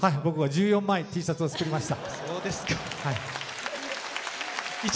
１４枚Ｔシャツを作りました。